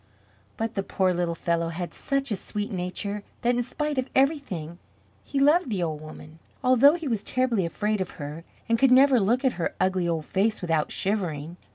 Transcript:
But the poor little fellow had such a sweet nature that in spite of everything, he loved the old woman, although he was terribly afraid of her and could never look at her ugly old face without shivering.